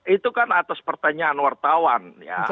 itu kan atas pertanyaan wartawan ya